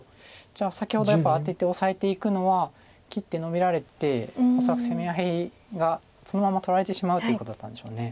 じゃあ先ほどやっぱアテてオサえていくのは切ってノビられて恐らく攻め合いがそのまま取られてしまうということだったんでしょう。